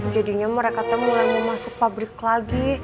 jadinya mereka tuh mulai mau masuk pabrik lagi